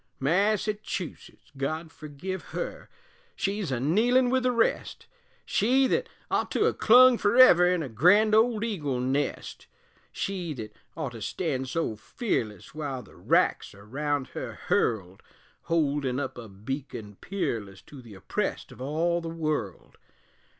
Massachusetts, God forgive her, She's a kneelin' with the rest, She, thet ough' to ha' clung ferever In her grand old eagle nest; She thet ough' to stand so fearless Wile the wracks are round her hurled, Holdin' up a beacon peerless To the oppressed of all the world!